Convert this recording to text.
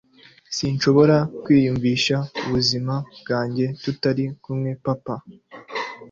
sinshobora kwiyumvisha ubuzima bwanjye tutari kumwe papa